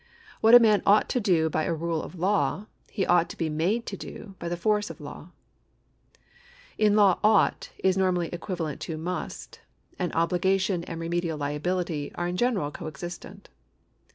What a man ought to do by a rule of law, he ought to be made to do by the force of law. In law ouglit is normally equivalent to must, and obligation and remedial liability are in general co existent.